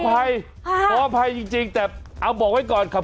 ฮอภัยฮอภัยฮอภัยจริงแต่เอาบอกไว้ก่อนครับ